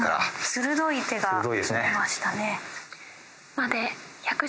鋭い手が出ましたね。